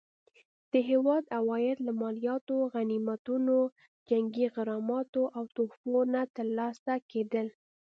د هیواد عواید له مالیاتو، غنیمتونو، جنګي غراماتو او تحفو نه ترلاسه کېدل.